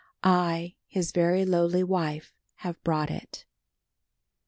I, his very lowly wife, have brought it."